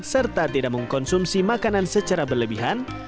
serta tidak mengkonsumsi makanan secara berlebihan